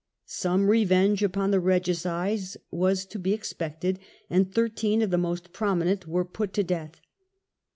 Some revenge upon the regicides was to be ex pected, and thirteen of the most prominent were put to death.